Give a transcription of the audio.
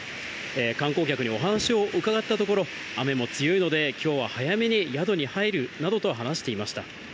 観光客にお話を伺ったところ、雨も強いのできょうは早めに宿に入るなどと話していました。